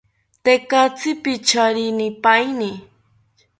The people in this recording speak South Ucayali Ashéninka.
Tekatzi picharinipaeni